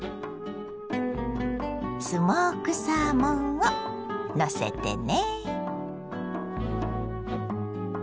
スモークサーモンをのせてね。